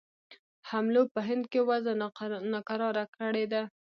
حملو په هند کې وضع ناکراره کړې ده.